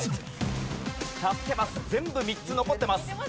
助けマス全部３つ残ってます。